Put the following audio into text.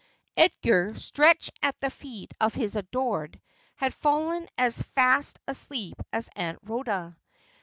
Edgar, stretched at the feet of his adored, had fallen as fast asleep as Aunt Rhoda.